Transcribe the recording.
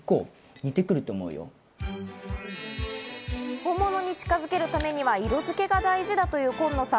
本物に近づけるためには色付けが大事だというコンノさん。